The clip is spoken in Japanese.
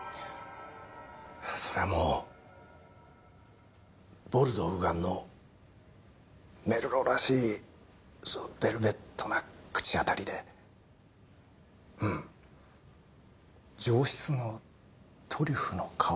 それはもうボルドー右岸のメルローらしいそうベルベットな口当たりでうん上質のトリュフの香り。